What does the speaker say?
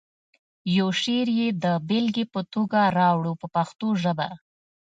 یو شعر یې د بېلګې په توګه راوړو په پښتو ژبه.